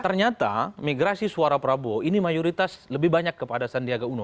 ternyata migrasi suara prabowo ini mayoritas lebih banyak kepada sandiaga uno